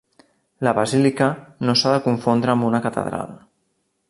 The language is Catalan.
La basílica no s'ha de confondre amb una catedral.